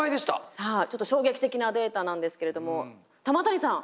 さあちょっと衝撃的なデータなんですけれども玉谷さん